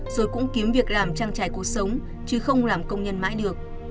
rồi cũng kiếm việc làm trang trải cuộc sống chứ không làm công nhân mãi được